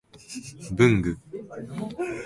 文具